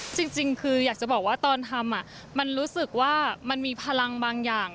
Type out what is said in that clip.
จริงคืออยากจะบอกว่าตอนทำมันรู้สึกว่ามันมีพลังบางอย่าง